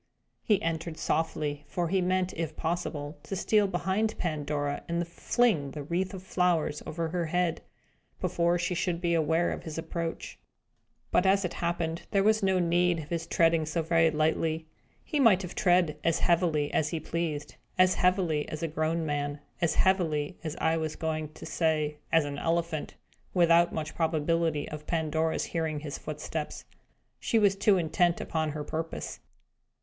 He entered softly, for he meant, if possible, to steal behind Pandora, and fling the wreath of flowers over her head, before she should be aware of his approach. But, as it happened, there was no need of his treading so very lightly. He might have trod as heavily as he pleased as heavily as a grown man as heavily, I was going to say, as an elephant without much probability of Pandora's hearing his footsteps. She was too intent upon her purpose.